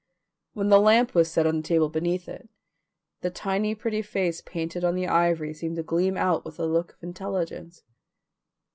When the lamp was set on the table beneath it, the tiny pretty face painted on the ivory seemed to gleam out with a look of intelligence.